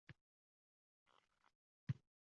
Kiyimlarim chang-tuproq, yuz-koʻzim bir ahvol ketyapman.